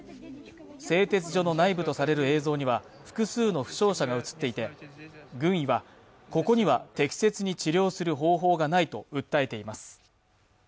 製鉄所の内部とされる映像には複数の負傷者が映っていて軍医は、ここには適切に治療する方法がないと訴えています。